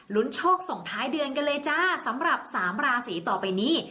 โชคส่งท้ายเดือนกันเลยจ้าสำหรับสามราศีต่อไปนี้